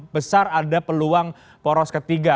besar ada peluang poros ketiga